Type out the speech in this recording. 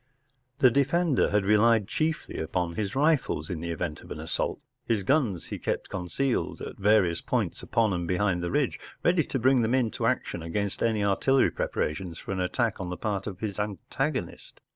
III. V The defender had relied chiefly upon his rifles in the event of an assault. His guns he kept concealed at various points upon and behind the ridge ready to bring them into action against any artillery preparations for an attack on the part of his antagonist.